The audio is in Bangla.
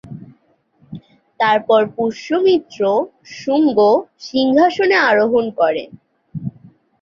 তারপর পুষ্যমিত্র শুঙ্গ সিংহাসনে আরোহণ করেন।